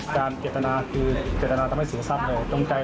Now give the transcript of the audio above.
การเกตนาคือเกตนาทำให้สูงทรัพย์เลย